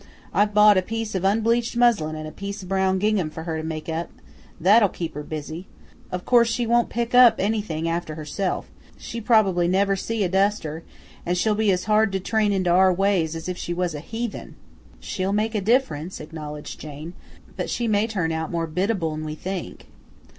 I've bought a piece of unbleached muslin and a piece o' brown gingham for her to make up; that'll keep her busy. Of course she won't pick up anything after herself; she probably never see a duster, and she'll be as hard to train into our ways as if she was a heathen." "She'll make a dif'rence," acknowledged Jane, "but she may turn out more biddable 'n we think."